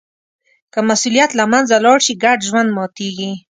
که مسوولیت له منځه لاړ شي، ګډ ژوند ماتېږي.